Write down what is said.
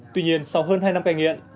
tuy nhiên sau hơn hai năm cài nghiện